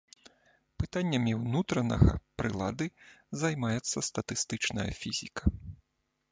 Пытаннямі ўнутранага прылады займаецца статыстычная фізіка.